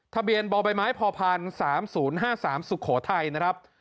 ทะเบียนบบพ๓๐๕๓สุโขทัยนะครับ